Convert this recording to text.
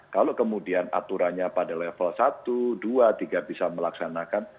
kalau kemudian aturannya pada level satu dua tiga bisa melaksanakan